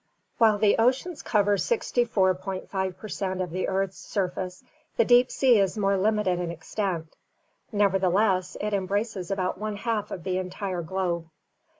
— While the oceans cover 64.5 per cent of the earth's sur face the deep sea is more limited in extent; nevertheless it em braces about one half of the entire globe.